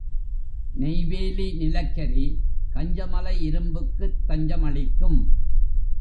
நெய்வேலி நிலக்கரி, கஞ்சமலை இரும்புக்குத் தஞ்சமளிக்கும்.